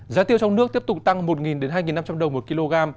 giá tiêu trong nước tiếp tục tăng một hai năm trăm linh đồng một kg